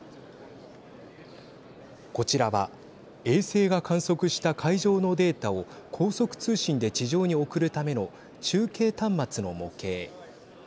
こちらは衛星が観測した海上のデータを高速通信で地上に送るための中継端末の模型。